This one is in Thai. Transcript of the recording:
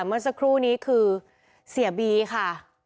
เมื่อสักครู่นี้คือเสียบีค่ะ